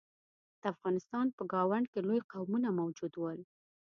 د افغانستان په ګاونډ کې لوی قومونه موجود ول.